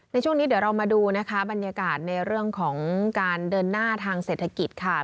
ในช่วงนี้เดี๋ยวเรามาดูนะคะบรรยากาศในเรื่องของการเดินหน้าทางเศรษฐกิจค่ะ